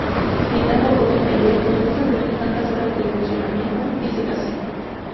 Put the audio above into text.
Citando otro taller: "Nos gusta tener tantas horas de funcionamiento", dice Casey.